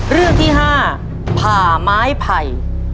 เรื่องที่๕ผ่าไม้ไผ่